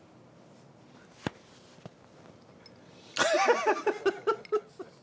ハハハハハ。